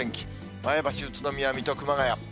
前橋、宇都宮、水戸、熊谷。